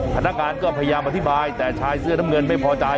พนักงานก็พยายามอธิบายแต่ชายเสื้อน้ำเงินไม่พอใจ